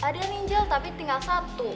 ada yang ninjel tapi tinggal satu